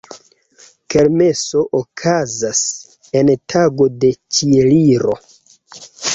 Kermeso okazas en tago de Ĉieliro.